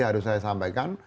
harus saya sampaikan